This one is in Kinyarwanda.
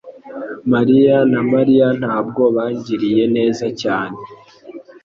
mariya na Mariya ntabwo bangiriye neza cyane